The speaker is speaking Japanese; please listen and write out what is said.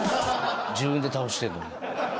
自分で倒してるのに。